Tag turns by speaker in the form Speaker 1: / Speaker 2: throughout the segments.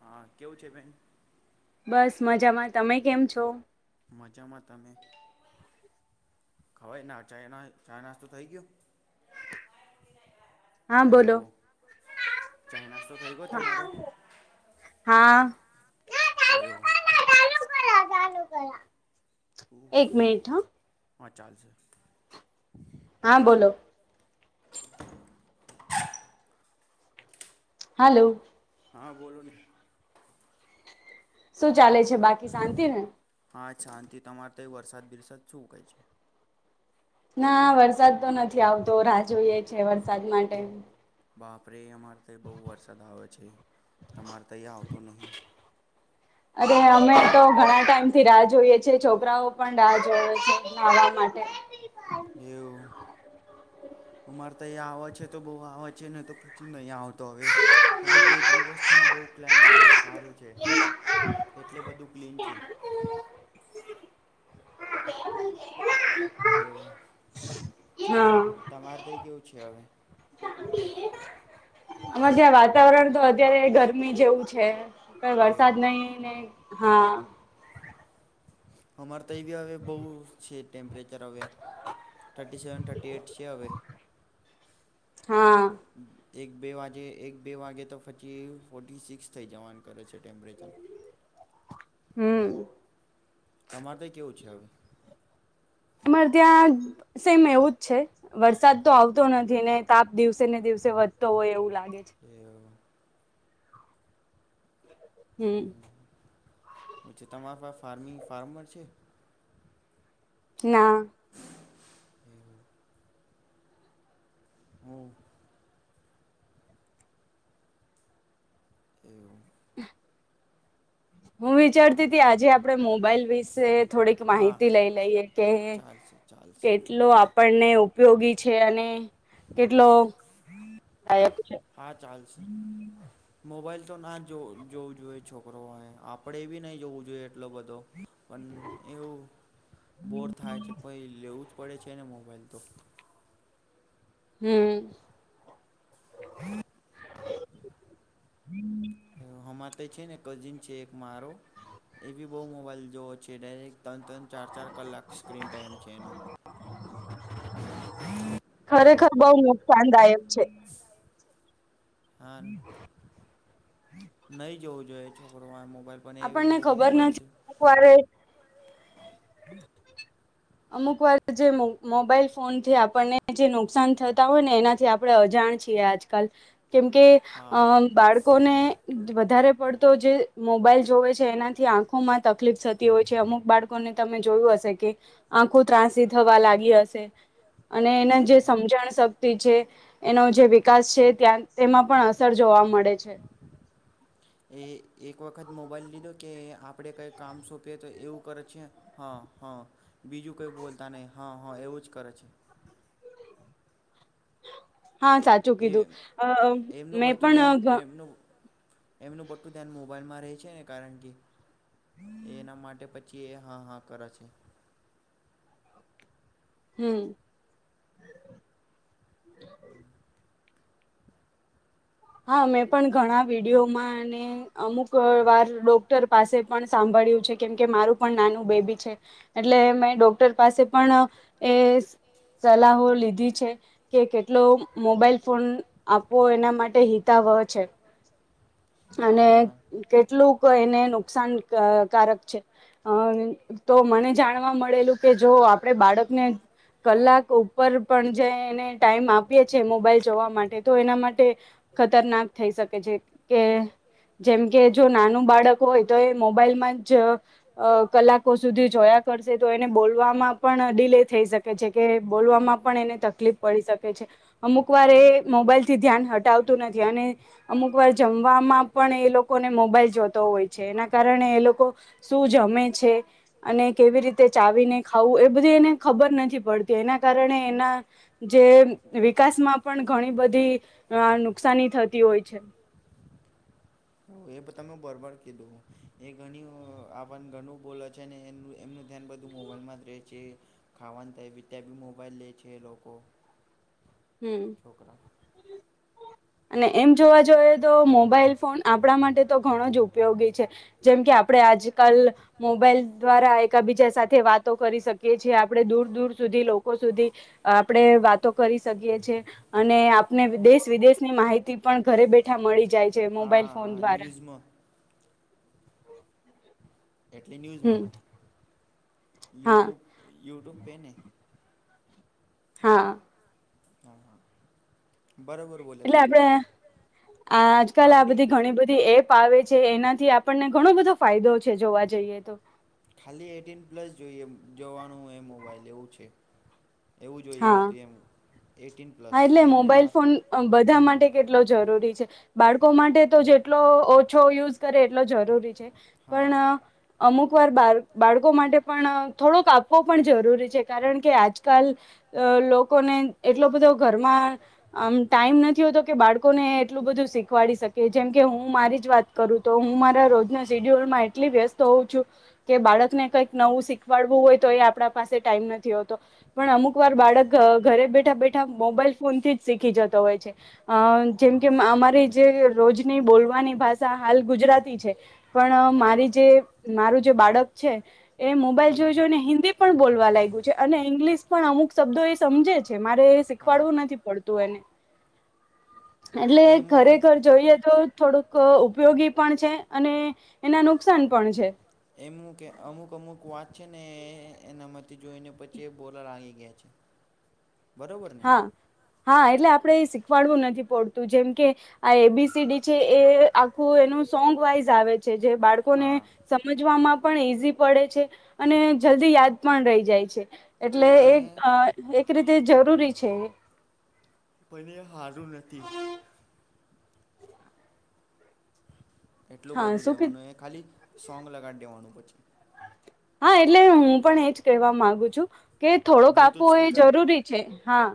Speaker 1: હા કેવું છે બેન
Speaker 2: બસ મજામાં તમે કેમ છો
Speaker 1: મજામાં તમે ખવાયના ચાય નાસ્તો થઈ ગયો હેલો ચાઈ નાસ્તો થઇ ગયો તમારો
Speaker 2: એક મિનિટ હ
Speaker 1: હા ચાલશે
Speaker 2: હા બોલો હાલો
Speaker 1: હા બોલો ને
Speaker 2: શું ચાલે છે બાકી શાંતિ ને
Speaker 1: હા શાંતિ તમારે તો એ વરસાદ બિરસાદ શું કહે છે
Speaker 2: ના વરસાદ તો નથી આવતો રાહ જોઈએ છે વરસાદ માટે
Speaker 1: બાપરે અમારે તઈ બહુ વરસાદ આવે છે તમારે તહીંયા આવતો નહી
Speaker 2: અરે અમે તો ઘણા ટાઈમ થી રાહ જોઈએ છેએ છોકરાઓ પણ રાહ જોએ છે નાવા માટે
Speaker 1: એવુ અમારે તઈ અહીંયા આવ છે તો બહુ આવે છે નઈતો પછી નહી આવતો હવે હવે બે દિવસ છે બહુ ક્લાયમેટ બહુ સારું છે એટલે બધું ક્લીન છે એવું તમારે થઈ કેવું છે હવે
Speaker 2: આમાં જ્યાં વાતાવરણ તો અત્યારે ગરમી જેવું છે. કઈ વરસાદ નહી ને હા.
Speaker 1: અમારે તય બી હવે બહુ છે ટેમ્પરેચર અવે. થર્ટી સેવન થર્ટી એઈટ શી અવે. [inaudible] એક બે વાજે એક બે વાગે તો પછી ફોર્ટી સિક્સ થઈ જવાનું કરે છે ટેમ્પરેચર. [inaudible]
Speaker 2: હમ.
Speaker 1: તમારે ત્યાં કેવું છે હવે? [inaudible]
Speaker 2: અમારે ત્યાં સેમ એવું જ છે વરસાદ તો આવતો નથી ને તાપ દિવસે ને દિવસે વધતો હોય એવું લાગે છે.
Speaker 1: પછી તમારા પા ફાર્મિંગ ફાર્મર છે. હમ. એવું.
Speaker 2: હું વિચારતી તી આજે આપડે મોબાઈલ વિશે થોડીક માહિતી લઈ લઈએ કે કેટલો આપ આણપને ઉપયોગી છે અને કેટલો લાયક
Speaker 1: હા, ચાલશે મોબાઈલ તો ના જોવું જોઈએ છોકરોઓ એ આપણેે બી નય જોવું જોઈએ એટલો બધો. પણ એવું બોર થાય છે પહી લેવું જ પડે છે ને મોબાઈલ તો
Speaker 2: હમ.
Speaker 1: છે ને કઝિન છે એક મારો એ બી બહુ મોબાઈલ જોવે છે ડાયરેક્ટ ત્રણ-ત્રણ ચાર-ચાર કલાક સ્ક્રીન ટાઈમ છે એનો.
Speaker 2: ખરેખર બહુ નુકસાનદાયક છે. [inaudible]
Speaker 1: નયજોવું જોઈએ છોકરોમાં મો
Speaker 2: આપણને ખબર નથી અમુક વારે
Speaker 1: [unintelligible]
Speaker 2: અમુક વાર જે મો મોબાઈલ ફોન થી આપણને જે નુકસાન થતા હોય ને એનાથી આપણે અજાણ છીએ આજ કાલ. કેમકે અ બાળકોને વધારે પડતો જે મોબાઈલ જોવે છે એનાથી આંખોમાં તકલીફ થતી હોય છે અમુક બાળકોને તમે જોયું હશે કે આંખો ત્રા સી થવા લાગી હશે અને એના જે સમજણ શક્તિ છે. એનો જે વિકાસ છે ત્યાં તેમાં પણ અસર જોવા મળે છે.
Speaker 1: [unintelligible] એ એક વખત મોબાઈલ લીધો કે આપણે કંઈ કામ સોંપીએ તો એવું કરે છે હા હા બીજું કોઈ બોલતા નય હા હં એવું જ કરે છે.
Speaker 2: હા, સાચું કીધું અ મેં પણ અ ઘ
Speaker 1: એમનું બધું ધ્યાન મોબાઈલમાં રહે છે ને કારણ કે એના માટે પ છી હા હા કર છે.
Speaker 2: હમ. હા, મેં પણ ઘણા વિડીયોમાં ને અમુક અ વાર ડોક્ટર પાસે પણ સાંભ ળ્યું કેમ કે મારું પણ નાનું બેબી છે એટલે મેં ડોક્ટર પાસે પણ એ સલાહો લીધી છે કે કેટલો મોબાઈલ ફોન આપો એના માટ ટે હિતાવહ છે અને કેટલુંક એને નું કસાનકકારક છે અ તો મને જાણવા મળેલું કે જો આપણે બાળક ને કલાક ઉપર પણ જે એને ટાઈમ આપીએ છે મોબાઈલ જોવા માટે તો એના માટે ખતરનાક થઈ શકે છે કે જેમ કે જો નાનું બાળક હોય તો એ મોબાઈલમાં જ કલાકો સુધી જોયા. કરશે તો એને બોલવામાં પણ ડીલે થઈ શકે છે કે બોલવામાં પણ એને તકલીફ પડી શકે છે. અમુક વાર એ મોબાઈલ થી ધ્યાન હટાવ નથી અને અમુક વાર જમવામાં પણ એ લોકોને મોબાઈલ જોતો હોય છે એના કારણે લોકો શું જમે છે અને કેવી રીતે ચાવીને ખાવું એ બધી એને ખબર નથી. પડતી એના કારણે એના જે વિકાસમાં પણ ઘણી બધી નુકસાની થતી હોય છે.
Speaker 1: એ તમે બરાબર કીધું એ ઘણી આને ઘણું બોલો છે ને એનું એમનું ધ્યાન બધું મોબાઈલ માં જ રહે છે ખાવાનું થાય ત્યાં બી મોબાઈલ લેછે એ લોકો
Speaker 2: હમ. અને એમ જોવા જોઈએ તો મોબાઈલ ફોન આપણા માટે તો ઘણો જ ઉપયોગી છે જેમ કે આપણે આજકાલ મોબાઈલ દ્વારા એકબીજા સાથે વાતો કરી શકીએ છીએ આપણે દૂર દૂર સુધી. સુધી લોકો સુધી આપણે વાતો કરી શકીએ છીએ અને આપણે દેશ વિદેશ. ની માહિતી પણ ઘરે બેઠા મળી જાય છે મોબાઈલ ફોન દ્વારા
Speaker 1: એટલે ન્યૂઝ મનો યુટ્યુબ યુટ્યુબ હેને
Speaker 2: હા.
Speaker 1: [unintelligible]
Speaker 2: આ આજકાલ આ બધી ઘણી બધી એપ આવે છે એનાથી આપણને ઘણો બધો ફાયદો છે જોવા જઈએ તો
Speaker 1: ખાલી એટીન પ્લસ જોઈએ જોવાનું એ મોબાઈલ એવું છે. એવું જોઈએ હતું એમ.
Speaker 2: હા એટલે મોબાઈલ ફોન બધા માટે કેટલો જરૂરી છે બાળકો લોકો માટે તો જેટલો ઓછો યુઝ કરે એટલો જરૂરી છે પણ અમુક વાર બા બાળકો માટે પણ થોડોક આપવો પણ જરૂરી છે કારણ કે આજકાલ. અ લોકોને એટલો બધો ઘરમાં આમ ટાઈમ નથી હોતો કે બાળકોને એટલું બધું. શીખવાડી શકે જેમ કે હું મારી જ વાત કરું તો હું મારા રોજના શેડ્યુલમાં એટલી વ્યસ્ત હોઉં છું. કે બાળકને કઈક નવું શીખવાડવું હોય તો એ આપણા પાસે ટાઈમ નથી હોતો પણ અમુક વાર બાળક ઘરે બેઠા બેઠા મોબાઈલ ફોન થી જ શીખી જતો હોય છે અ જેમકે અમારી જે રોજની બોલવાની ભાષા હાલ ગુજરાતી છે પણ મારી જે મારું જે બાળક છે એ મોબાઈલ જોઈ જોઈને હિન્દી પણ બોલવા લાગે આપ્યુ છે અને ઇંગ્લિશ પણ અમુક શબ્દો એ સમજે છે મારે એ શીખવાડવું નથી પડતું એને એટલે ખરેખર જોઈએ તો થોડુંક ઉપયોગી પણ છે અને એના નુકસાન પણ છે
Speaker 1: એમુ કે અમુક અમુક વાત છે ને એનામાંથી જોઈને પછી એ બોલવા લાગી ગયા છે [inaudible]
Speaker 2: હા હા એટલે આપણે શીખવાડવું નથી પડતું જેમ કે આ એબીસીડી છે એ આખું એનું સોંગ વાઈઝ આવે છે જે બાળકોને સમજવામાં પણ ઈઝી પડે છે અને જલ્દી યાદ પણ રહી જાય છે એટલે એ એક રીતે જરૂરી છે
Speaker 1: હા પણ એ હારૂ નથી એટલું બધું દેવાનું એ ખાલી સોંગ લગાડી દેવાનું પછી
Speaker 2: હા એટલે હું પણ એજ કહેવા માંગુ છું કે થોડો કાપવો એ જરૂરી છે હા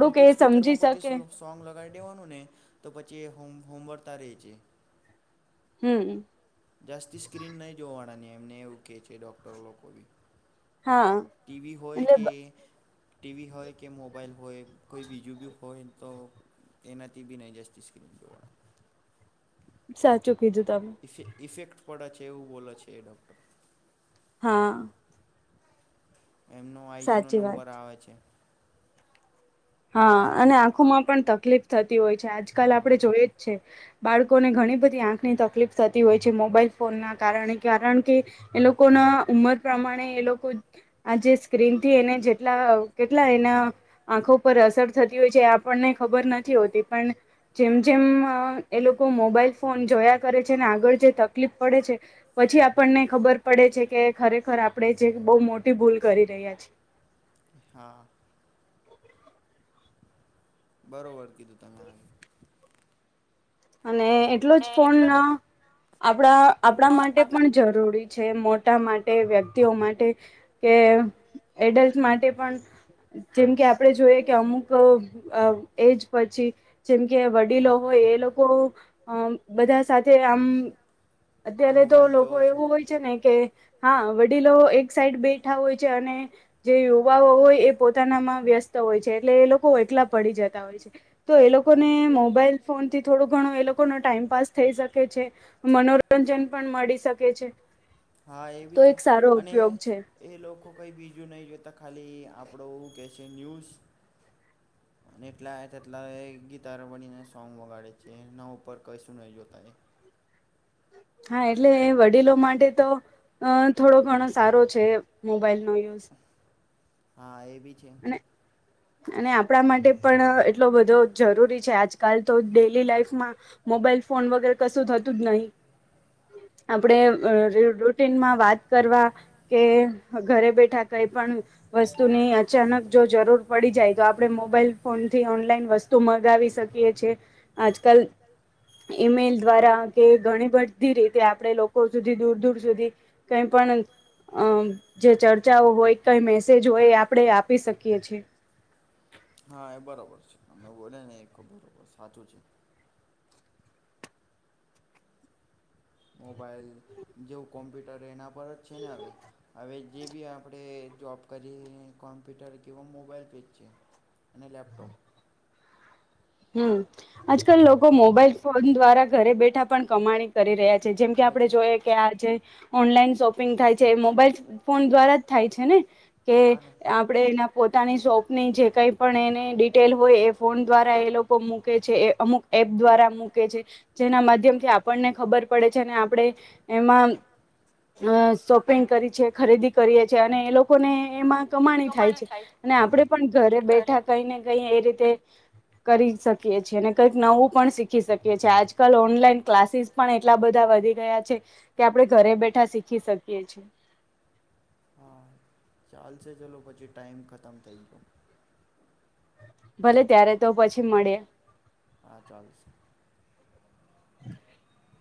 Speaker 1: બ્લુટૂથ સ્પીકરમાં પછી સોંગ લગાવી દેવાનું ને તો પછી હોભડતા રે છે
Speaker 2: હમ
Speaker 1: જાસ્તી સ્ક્રીન નહી જોવાના એમને એવું કેહે છે ડોક્ટર લોકોભી ટીવી હોય કે ટીવી હોય કે મોબાઈલ હોય કોઈ બીજું બી હોય તો એનાથી બી નહીં [unintelligible] સ્ક્રીન જોવાનું
Speaker 2: સાચ્ચું કીધું તમે
Speaker 1: ઇફેક્ટ પડે છે એવું બોલે છે. એ ડૉક્ટર
Speaker 2: હા
Speaker 1: એમનો આઈસનો નંબર આવે છે
Speaker 2: હા અને આંખોમાં પણ તકલીફ થતી હોય છે આજકાલ આપણે જોઈ જ છે બાળકોને ઘણી બધી આંખની તકલીફ થતી હોય છે. મોબાઈલ ફોનના કારણે કારણ કે એ લોકોના ઉમર પ્રમાણે એ લોકો આજે સ્ક્રીન થી એને જેટલા કેટલા એના આંખો પર અસર થતી હોય છે આપણને ખબર નથી હોતી પણ જેમ જેમ એ લોકો મોબાઈલ ફોન જોયા કરે છે અનેને આગળ જે તકલીફ પડે છે પછી આપણને ખબર પડે છે કે ખરેખર આપણે જે બહુ મોટી ભૂલ કરી રહ્યા છીએ
Speaker 1: હા બરોબર કીધું તમે.
Speaker 2: અને એટલો જ ફોન આપણા આપણા માટે પણ જરૂરી છે મોટા માટે, વ્યક્તિઓ માટે કે એડલ્ટ માટે પણ જેમ કે આપણે જોઈએ કે અમુક એજ પછી જેમ કે વડીલો હોય એ લોકો તો બધા સાથે આમ્ અત્યારે તો લોકો એવું હોય છે ને કે હા.. વડીલો એક સાઈડ બેઠા હોય છે અને જે યુવાઓ હોય એ પોતાનામાં વ્યસ્ત તો હોય છે એટલે એ લોકો એકલાં પડી જતા હોય છે તો એ લોકોને મોબાઈલ ફોનથી થોડો ઘણો એ લોકો ને ટાઈમપાસ થઈ શકે છે મનોરંજન પણ મળી શકે છે
Speaker 1: હા એવી છે અને એ લોકો કઈ બીજું નહી જોતા ખાલી આપણો એવું કહે છે ન્યૂઝ અને એટલાતેટલા ગીટાર બનીને સોંગ વગાડે છે એના ઉપર કઈશું ન જોતા [inaudible]
Speaker 2: હા.. એટલે વડીલો માટે તો અ થોડો ઘણો સારો છે મોબાઈલનો યુઝ
Speaker 1: હા એ બી છે.
Speaker 2: અને આપણા માટે પણ એટલો બધો જરૂરી છે આજકાલ તો ડેઈલી લાઈફમાં મોબાઈલ ફોન વગેરે કશું થતું જ નહીં.
Speaker 1: [inaudible]
Speaker 2: આપણેે અ ર રુ રુટીનમાં વાત કરવા કે ઘરે બેઠા કઈ પણ વસ્તુની અચાનક જો જરૂર પડી જાય તો આપણે મોબાઈલ ફોનથી ઓનલાઈન વસ્તુ મંગાવી શકીએ છીએ આજકાલ ઈમેલ દ્વારા કે ઘણી બધી રીતે આપણે લોકો સુધી દૂર દૂર સુધી કઈ પણ અમ જે ચર્ચાઓ હોય કઈ મેસેજ હોય એ આપણેે આપી શકીએ છીએ.
Speaker 1: હા એ બરોબર છે તમે બોલ્યાંને બરોબર સાચું છે. મોબાઈલ જેવું કોમ્પ્યુટર એના પર જ છેને હવે હવે જે બી આપણે જોબ કરીએ કોમ્પ્યુટર કે મોબાઈલથી જ છે. અને લેપટોપ
Speaker 2: હમ્મ. આજકાલ લોકો મોબાઈલ ફોન દ્વારા ઘરે બેઠા પણ કમાણી કરી રહ્યા છે જેમ કે આપણે જોયે કે આજે ઓનલાઈન શોપિંગ થાય છે મોબાઈલ ફોન દ્વારા જ થાય છે ને! કે આપણેે એના પોતાની શોપની જે કંઈપણ એને ડિટેલ હોય એ ફોન દ્વારા મૂકે છે અમુક એપ દ્વારા મૂકે છે જેના માધ્યમથી આપણને ખબર પડે છે અને આપણે એમાં અ શોપિંગ કરી છીએ ખરીદી કરીએ છીએ અને એ લોકોને એમાં કમાણી થાય છે અને આપણે પણ ઘરે બેઠા કંઈ ને કંઈ એ રીતે [inaudible] કરી શકીએ છીએ અને કંઈક નવું પણ શીખી શકીએ છીએ આજકાલ ઓનલાઈન ક્લાસીસ પણ એટલા બધા વધી થઈ ગયા છે કે આપણે ઘરે બેઠા શીખી શકીએ છીએ.
Speaker 1: [inaudible] હા ચાલશે ચલો પછી ટાઈમ ખતમ થઈ ગયો.
Speaker 2: ભલે ત્યારે તો પછી મળીયે. [inaudible]